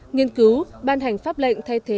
nghiên cứu ban hành pháp lệnh thay thế